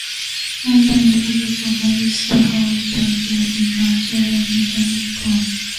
Sehwag and Patel provided some hope but fell to the Australia's metronomic bowling.